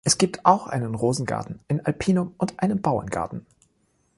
Es gibt auch einen Rosengarten, ein Alpinum und einen Bauerngarten.